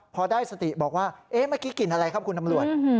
พอได้สติบอกว่าเอ๊ะเมื่อกี้กลิ่นอะไรครับคุณตำรวจ